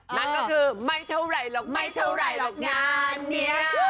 นั่นก็คือไม่เท่าไหร่หรอกงานนี้